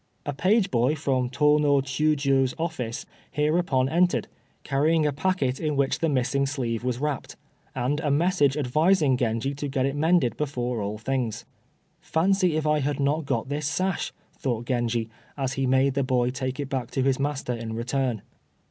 A page boy from Tô no Chiûjiô's office hereupon entered, carrying a packet in which the missing sleeve was wrapped, and a message advising Genji to get it mended before all things. "Fancy if I had not got this sash?" thought Genji, as he made the boy take it back to his master in return.